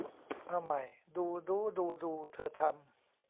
เอาใหม่ ดู ดู๊ ดู ดูเธอทำ